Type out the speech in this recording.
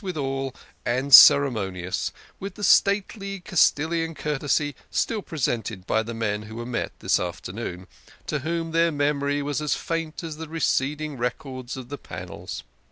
' withal and ceremonious, with the stately Castilian courtesy still preserved by the men who were met this afternoon, to whom their memory was as faint as the fading records of the panels.